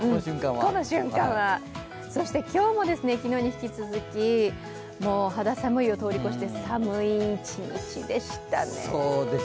そして今日も昨日に引き続き肌寒いを通り越して寒い一日でしたね。